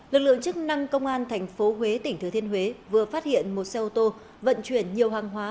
lực lượng chức năng công an thành phố huế tỉnh thứ thiên huế vừa phát hiện một xe ô tô vận chuyển nhiều hàng hóa